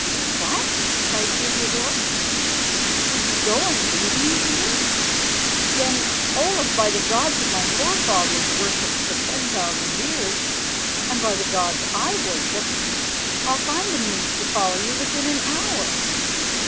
"What!" cried Heliodore, "would you go and leave me here? Then, Olaf, by the gods my forefathers worshipped for ten thousand years, and by the gods I worship, I'll find a means to follow you within an hour.